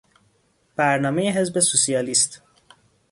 برنامهی حزب سوسیالیست